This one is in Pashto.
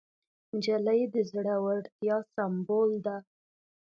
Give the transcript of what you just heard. نجلۍ د زړورتیا سمبول ده.